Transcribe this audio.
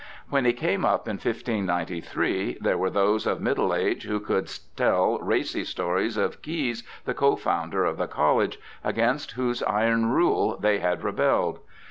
When he came 304 BIOGRAPHICAL ESSAYS up in 1593, there were those of middle age who could tell racy stories of Caius, the co founder of the college, against whose iron rule they had rebelled.